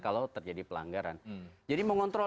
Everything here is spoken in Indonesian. kalau terjadi pelanggaran jadi mengontrol